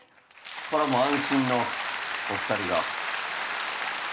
これもう安心のお二人が。